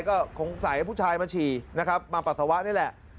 ก็สงสัยผู้ชายมาฉี่นะครับมาปัสสาวะนี่แหละ